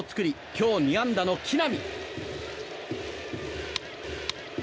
今日２安打の木浪。